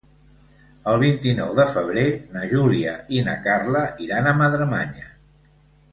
El vint-i-nou de febrer na Júlia i na Carla iran a Madremanya.